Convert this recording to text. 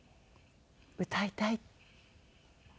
歌いたい。